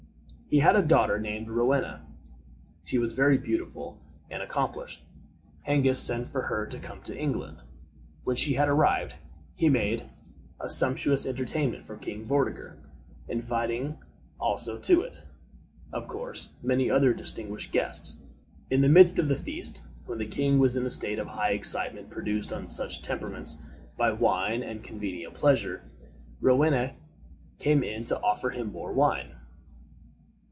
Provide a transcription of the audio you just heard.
He had a daughter named Rowena. She was very beautiful and accomplished. Hengist sent for her to come to England. When she had arrived he made a sumptuous entertainment for King Vortigern, inviting also to it, of course, many other distinguished guests. In the midst of the feast, when the king was in the state of high excitement produced on such temperaments by wine and convivial pleasure, Rowena came in to offer him more wine.